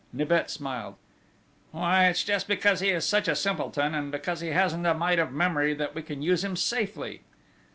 Nibet smiled: "Why, it's just because he is such a simpleton, and because he hasn't a mite of memory that we can use him safely!"